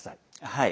はい。